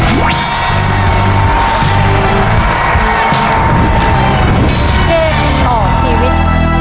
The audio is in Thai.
เกมต่อชีวิต